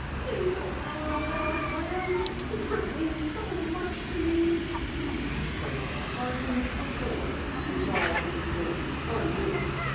"Please don't ruin all our plans. The trip means so much to me!" "I've heard that argument before," replied Mrs. Weems, unmoved.